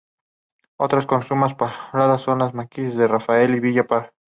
Otras comunas pobladas son Los Maquis, San Rafael y Villa Prat.